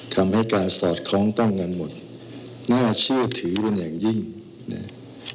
ทำให้การสอดคล้องต้องกันหมดน่าเชื่อถือเป็นอย่างยิ่งนะ